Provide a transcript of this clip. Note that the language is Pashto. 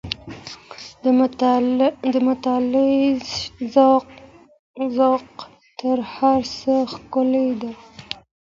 د مطالعې ذوق تر هر څه ښکلی دی.